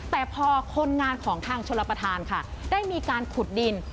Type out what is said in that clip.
แต่พอคนงานของทางชลประธานค่ะได้มีการขุดดิน